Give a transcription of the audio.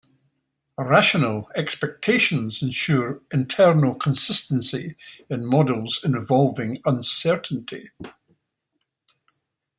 Rational expectations ensure internal consistency in models involving uncertainty.